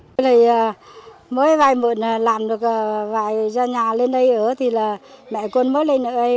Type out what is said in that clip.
cơn này mới vài mượn làm được vài gia nhà lên đây ở thì là mẹ con mới lên ở đây